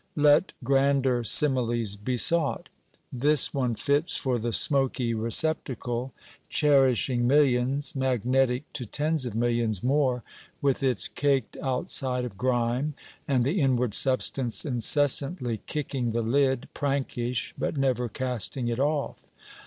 Let grander similes besought. This one fits for the smoky receptacle cherishing millions, magnetic to tens of millions more, with its caked outside of grime, and the inward substance incessantly kicking the lid, prankish, but never casting it off.